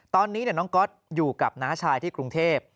ตอนนี้น้องก๊อตอยู่กับน้าชายที่กรุงเทพ